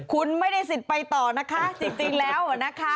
คุณไม่ได้สิทธิ์ไปต่อนะคะจริงแล้วนะคะ